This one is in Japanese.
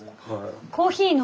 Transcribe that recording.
コーヒーの。